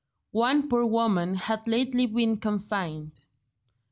One poor woman had lately been confined.